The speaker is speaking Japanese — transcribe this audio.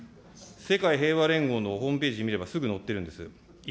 世界平和連合のホームページを見ればすぐ載っているんです。